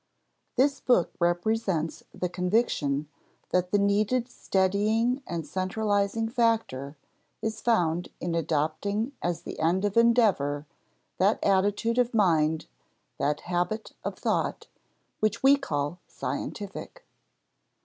This book represents the conviction that the needed steadying and centralizing factor is found in adopting as the end of endeavor that attitude of mind, that habit of thought, which we call scientific.